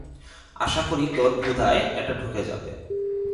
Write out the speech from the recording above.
আশা করি তোর ভোদায় এটা ঢুকে যাবে।